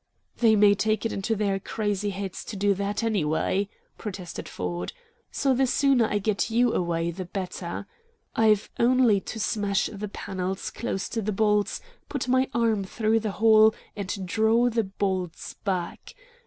"They may take it into their crazy heads to do that, anyway," protested Ford, "so the sooner I get you away, the better. I've only to smash the panels close to the bolts, put my arm through the hole, and draw the bolts back.